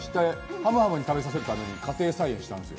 はむはむに食べさせるために家庭菜園したんですよ。